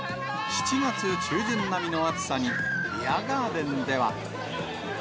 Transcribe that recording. ７月中旬並みの暑さに、ビアガーデンでは。